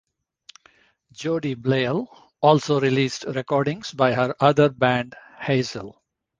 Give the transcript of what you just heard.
Jody Bleyle also released recordings by her other band Hazel.